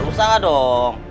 lu usah dong